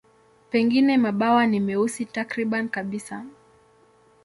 Pengine mabawa ni meusi takriban kabisa.